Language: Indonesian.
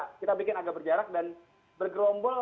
kita bikin agak berjarak dan bergerombol